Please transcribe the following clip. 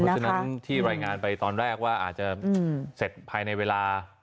ฉะนั้นที่รายงานไปตอนแรกว่าอาจจะเสร็จภายในเวลา